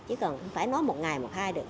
chứ còn phải nói một ngày một hai được